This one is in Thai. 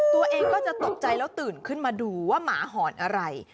ตัวเองก็จะตกใจแล้วตื่นขึ้นมาดูว่าหมาหอนอะไร